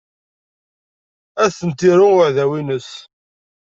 Ad ten-iru uɛdaw-ines.